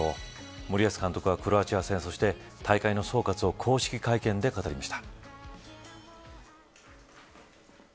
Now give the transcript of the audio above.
森保監督は、クロアチア戦そして、大会の総括を公式会見で語りました。